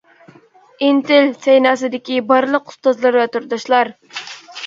ئىنتىل سەيناسىدىكى بارلىق ئۇستازلار ۋە تورداشلار!